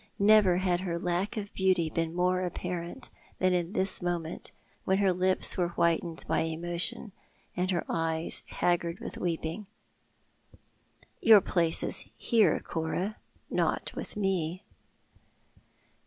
Never had her lack of beauty been more apparent than in this moment, when her lips were whitened by emotion, and her eyes haggard with wcei)iug. " Your place is here, Cora, not with me."